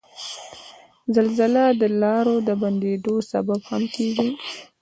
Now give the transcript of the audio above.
زلزله د لارو د بندیدو سبب هم کیږي.